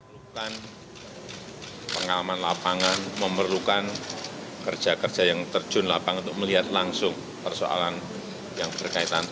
diperlukan pengalaman lapangan memerlukan kerja kerja yang terjun lapangan untuk melihat langsung persoalan yang berkaitan